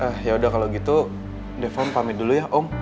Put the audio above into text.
eh ya udah kalau gitu defon pamit dulu ya om